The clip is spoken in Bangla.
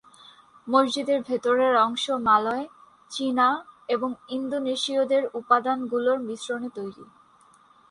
মসজিদের ভেতরের অংশ মালয়, চীনা এবং ইন্দোনেশীয় উপাদানগুলোর মিশ্রণে তৈরি।